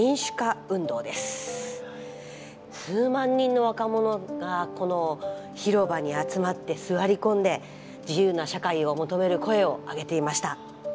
数万人の若者がこの広場に集まって座り込んで自由な社会を求める声を上げていました。